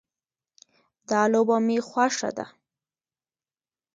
دا لوبه مې خوښه ده